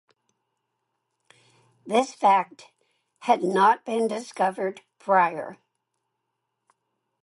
This fact had not been discovered prior.